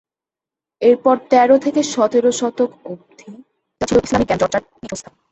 এরপর তেরো থেকে সতেরো শতক অবধি এটা ছিল ইসলামি জ্ঞানচর্চার পীঠস্থান।